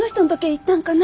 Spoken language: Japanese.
行ったんかな？